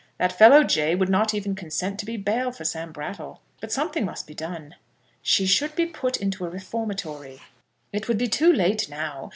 That fellow, Jay, would not even consent to be bail for Sam Brattle. But something must be done." "She should be put into a reformatory." "It would be too late now.